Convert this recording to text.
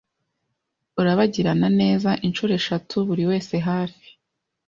urabagirana neza Inshuro eshatu buriwese hafi